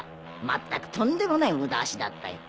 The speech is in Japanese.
まったくとんでもないムダ足だったよ。